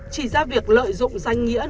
chỉ ra việc lợi dụng danh nghĩa nuôi